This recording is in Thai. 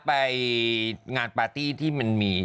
ไปงานปาร์ตี้ที่มันมี